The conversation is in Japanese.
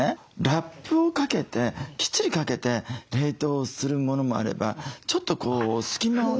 ラップをかけてきっちりかけて冷凍するものもあればちょっとこう隙間を。